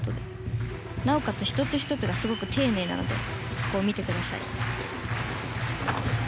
なおかつ、１つ１つがすごく丁寧なのでそこを見てください。